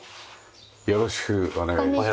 よろしくお願いします。